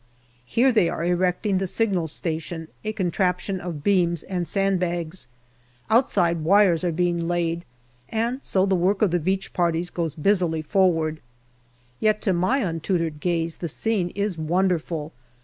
Here they are erecting the signals station, a contraption of beams and sand bags. Outside, wires are being laid, and so the work of the beach parties goes busily forward. Yet to my untutored gaze the scene is wonderful.